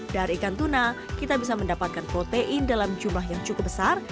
dari ikan tuna kita bisa mendapatkan protein dalam jumlah yang cukup besar